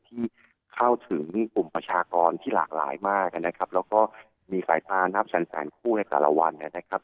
ที่เข้าถึงกลุ่มประชากรที่หลากหลายมากนะครับแล้วก็มีสายตานับแสนแสนคู่ในแต่ละวันนะครับ